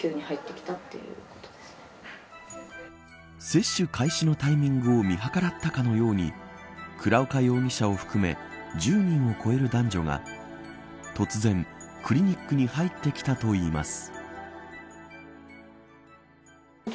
接種開始のタイミングを見計らったかのように倉岡容疑者を含め１０人を超える男女が突然、クリニックに入ってきたといいます。